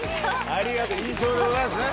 あれが印象でございますね。